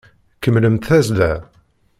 Kemmlemt tazzla!